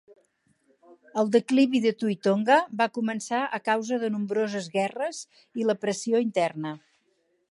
El declivi de Tui Tonga va començar a causa de nombroses guerres i la pressió interna.